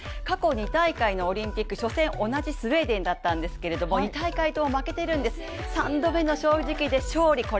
過去２大会のオリンピック、初戦同じスウェーデンだったんですけれども、２大会とも負けているんです３度目の正直で勝利